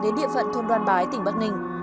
đến địa phận thôn đoan bái tỉnh bắc ninh